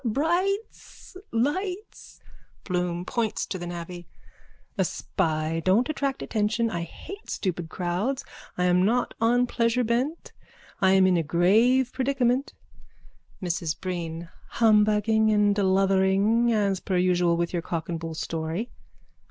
Bright's! Lights! BLOOM: (Points to the navvy.) A spy. Don't attract attention. I hate stupid crowds. I am not on pleasure bent. I am in a grave predicament. MRS BREEN: Humbugging and deluthering as per usual with your cock and bull story.